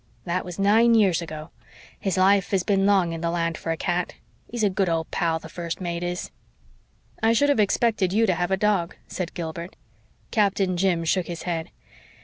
That was nine years ago. His life has been long in the land for a cat. He's a good old pal, the First Mate is." "I should have expected you to have a dog," said Gilbert. Captain Jim shook his head.